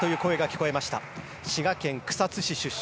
滋賀県草津市出身。